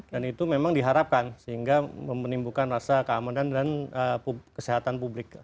dan itu memang diharapkan sehingga memenimbulkan rasa keamanan dan kesehatan publik